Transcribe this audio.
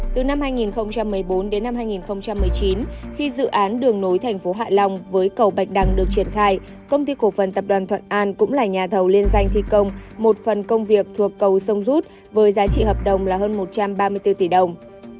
từ năm hai nghìn một mươi bốn đến năm hai nghìn một mươi chín khi dự án đường nối thành phố hạ long với cầu bạch đằng được triển khai công ty cổ phần tập đoàn thuận an cũng là nhà thầu liên danh thi công một phần công việc thuộc cầu sông rút với giá trị hợp đồng là hơn một trăm ba mươi bốn tỷ đồng